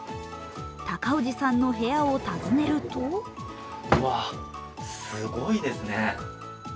高氏さんの部屋を訪ねるとうわ、すごいですね。